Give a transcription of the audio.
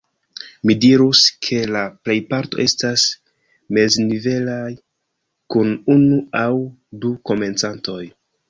Mi dirus ke la plejparto estas meznivelaj, kun unu aŭ du komencantoj.